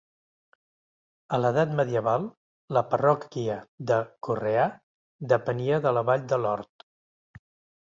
A l'edat medieval la parròquia de Correà depenia de la Vall de Lord.